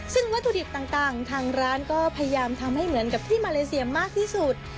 ซึ่งวัตถุดิบต่างทางร้านก็พยายามทำให้เหมือนกับที่มาเลเซียมากที่สุด